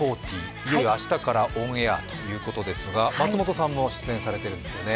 いよいよ明日からオンエアということですが松本さんも出演されているんですよね。